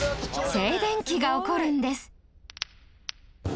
静電気が起こるんです